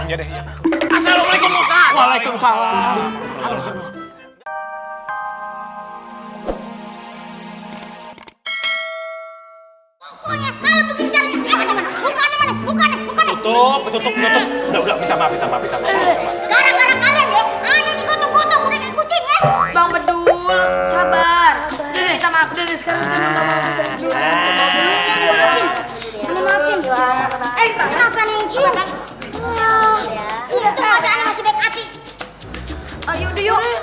assalamualaikum warahmatullahi wabarakatuh